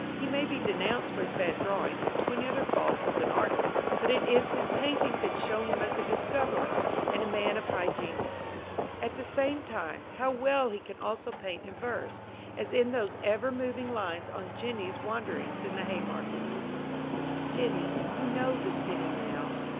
He may be denounced for his bad drawing and twenty other faults as an artist; but it is his paintings that show him as a discoverer and a man of high genius. At the same time, how well he can also paint in verse, as in those ever moving lines on Jenny's wanderings in the Haymarket: Jenny, you know the city now.